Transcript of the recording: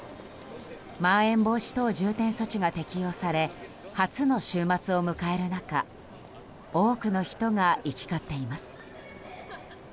まん延防止等重点措置が適用され初の週末を迎える中多くの人が行き交っています。